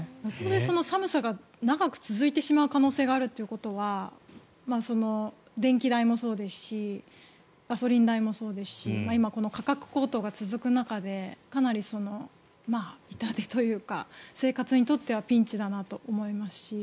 寒さが長く続いてしまう可能性があるということは電気代もそうですしガソリン代もそうですし今、価格高騰が続く中でかなり痛手というか生活にとってはピンチだなと思いますし。